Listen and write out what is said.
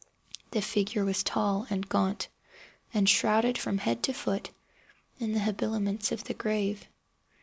The figure was tall and gaunt, and shrouded from head to foot in the habiliments of the grave.